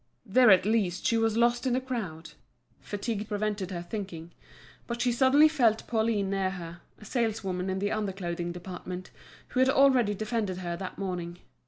There at least she was lost in the crowd. Fatigue prevented her thinking. But she suddenly felt Pauline near her, a saleswoman in the under clothing department, who had already defended her that morning.